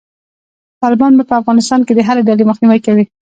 طالبان به په افغانستان کې د هري ډلې مخنیوی کوي.